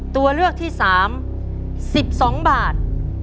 ตัวเลือกที่๓๑๒บาท